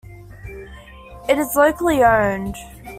It is locally owned.